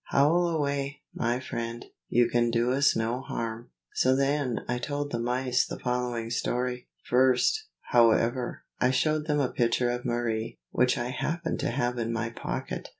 Howl away, my friend; you can do us no harm. So then I told the mice the following story. First, however, I showed them a picture of Marie, which I happened to have in my pocket.